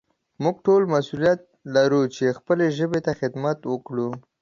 موږ ټول مسؤليت لرو چې خپلې ژبې ته خدمت وکړو.